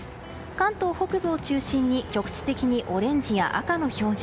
関東北部を中心に局地的にオレンジや赤の表示。